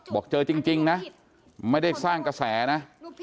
บอกเจอจริงนะไม่ได้สร้างกระแสนะ